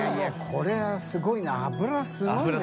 海譴すごいな脂すごいな。